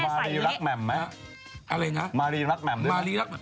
มารีรักแม่มไหมอะไรนะมารีรักแม่มด้วย